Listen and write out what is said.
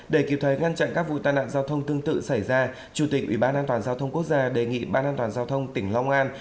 để kịp thời ngăn chặn các vụ tai nạn giao thông tương tự xảy ra chủ tịch ủy ban an toàn giao thông quốc gia đề nghị ban an toàn giao thông tỉnh long an